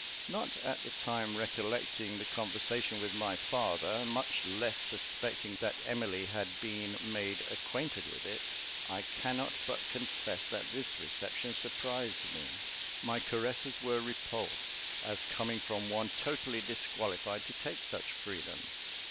Not at the time recollecting the conversation with my father, much less suspecting that Emily had been made acquainted with it, I cannot but confess that this reception surprised me. My caresses were repulsed, as coming from one totally disqualified to take such freedom.